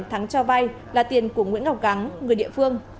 thắng cho vay là tiền của nguyễn ngọc thắng người địa phương